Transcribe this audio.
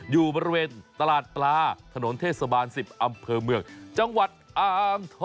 อยู่บริเวณตลาดปลาถนนเทศบาล๑๐อำเภอเมืองจังหวัดอ่างทอง